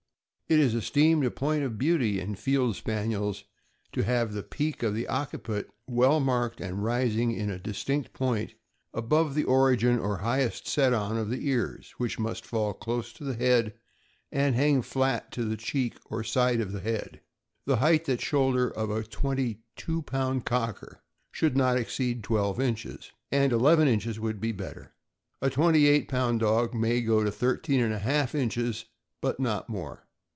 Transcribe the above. It is esteemed a point of beauty in Field Spaniels to have the peak of the occiput well marked and rising in a THE FIELD SPANIEL. 333 distinct point above the origin or highest set on of the ears, which must fall close to the head, and hang flat to the cheek or side of the head. The height at shoulder of a twenty two pound Cocker should not exceed twelve inches, and eleven inches would be better. A twenty eight pound dog may go to thirteen and a half inches, but not more.